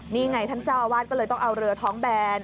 นี่ไงท่านเจ้าอาวาสก็เลยต้องเอาเรือท้องแบน